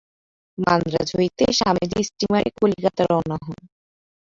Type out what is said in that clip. মান্দ্রাজ হইতে স্বামীজী স্টীমারে কলিকাতা রওনা হন।